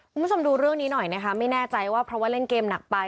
คุณผู้ชมดูเรื่องนี้หน่อยนะคะไม่แน่ใจว่าเพราะว่าเล่นเกมหนักไป